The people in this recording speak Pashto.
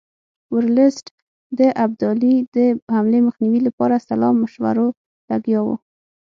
ورلسټ د ابدالي د حملې مخنیوي لپاره سلا مشورو لګیا وو.